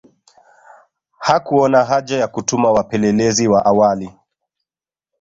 Hakuona haja ya kutuma wapelelezi wa awali